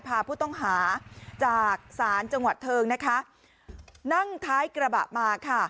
พาผู้ต้องหาจากศาลจังหวัดเทิงนะคะนั่งท้ายกระบะมาค่ะ